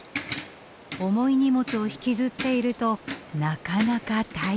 重い荷物を引きずっているとなかなか大変。